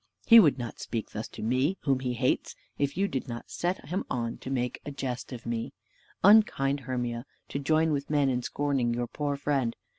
He would not speak thus to me, whom he hates, if you did not set him on to make a jest of me. Unkind Hermia, to join with men in scorning your poor friend.